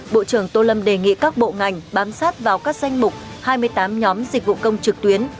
bộ trưởng tô lâm đề nghị các bộ ngành bám sát vào các danh mục hai mươi tám nhóm dịch vụ công trực tuyến